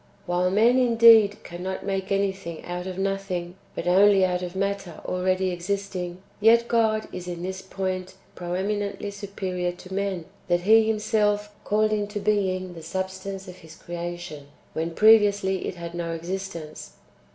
^ While men, indeed, cannot make anything out of nothing, but only out of matter already existing, yet God is in this point pre eminently superior to men, that He Himself called into being the substance of His creation, when previously it had no existence.